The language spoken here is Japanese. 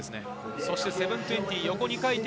そして７２０。